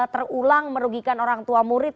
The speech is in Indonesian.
terulang merugikan orang tua murid